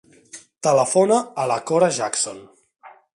Telefona a la Cora Jackson.